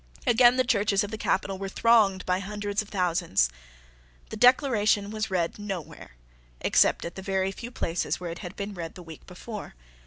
Again the churches of the capital were thronged by hundreds of thousands. The Declaration was read nowhere except at the very few places where it had been read the week before.